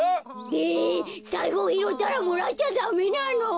えさいふをひろったらもらっちゃダメなの？